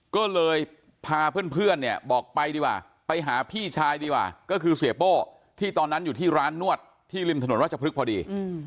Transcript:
ก็เลยพาเพื่อนเนี่ยบอกไปดีกว่าไปหาพี่ชายดีกว่าก็คือเสียโป้ที่ตอนนั้นอยู่ที่ร้านนวดที่ริมถนนราชพฤกษ์พอดี